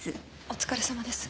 お疲れさまです。